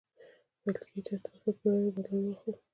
ویل کیږي چې اتلسمه پېړۍ د بدلون وخت و.